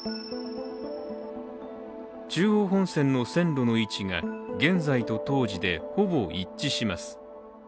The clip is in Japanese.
中央本線の線路の位置が現在と当時でほぼ一致します。